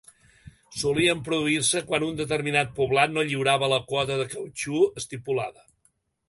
Solien produir-se quan un determinat poblat no lliurava la quota de cautxú estipulada.